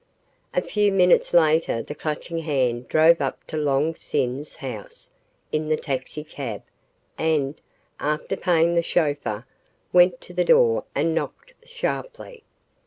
A few minutes later the Clutching Hand drove up to Long Sin's house in the taxicab and, after paying the chauffeur, went to the door and knocked sharply.